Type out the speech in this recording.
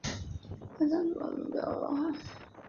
玩家的重生位置取决于玩家的目标变化。